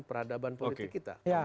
peradaban politik kita